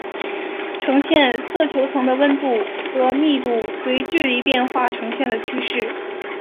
呈现色球层的温度和密度随距离变化呈现的趋势。